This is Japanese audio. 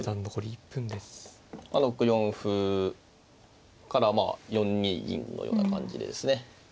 ６四歩から４二銀のような感じでですね